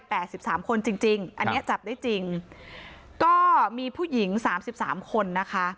สิบสามคนจริงจริงอันเนี้ยจับได้จริงก็มีผู้หญิงสามสิบสามคนนะคะ